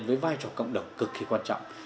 với vai trò cộng đồng cực kỳ quan trọng